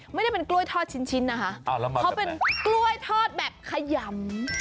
ไม่ได้เป็นกล้วยทอดชิ้นนะคะเขาเป็นกล้วยทอดแบบขยำ